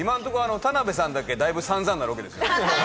田辺さんだけだいぶさんざんなロケですね。